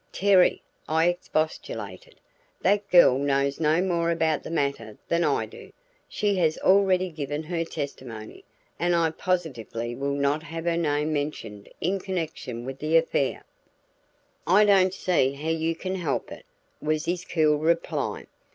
"Terry," I expostulated, "that girl knows no more about the matter than I do. She has already given her testimony, and I positively will not have her name mentioned in connection with the affair." "I don't see how you can help it," was his cool reply.